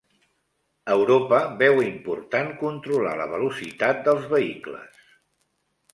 Europa veu important controlar la velocitat dels vehicles